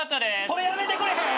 それやめてくれへん？